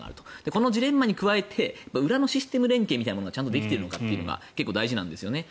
このジレンマに加えて裏のシステム連携がちゃんとできているのかというのが結構大事なんですよね。